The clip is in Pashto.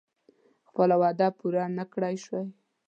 خپله وعده پوره نه کړای شوه.